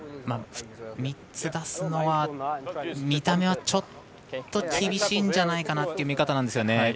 ３つ出すのは見た目はちょっと厳しいんじゃないかなって見方なんですよね。